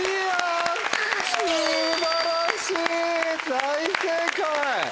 大正解！